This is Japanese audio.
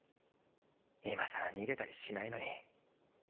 今更逃げたりしないのに。